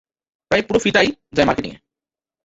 প্রায় পুরো ফিটাই যায় মার্কেটিংয়ে।